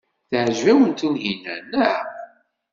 Teɛjeb-awen Tunhinan, naɣ?